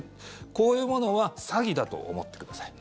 こういうものは詐欺だと思ってください。